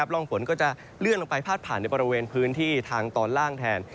ร่องฝนก็จะเลื่อนลงไปพาดผ่านในบริเวณพื้นที่ทางตอนล่างแทน